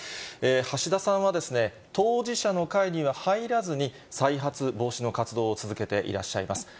橋田さんは当事者の会には入らずに、再発防止の活動を続けていらっしゃいます。